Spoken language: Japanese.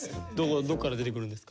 どっから出てくるんですか？